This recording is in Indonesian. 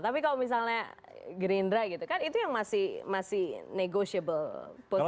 tapi kalau misalnya gerindra gitu kan itu yang masih negosiable posisinya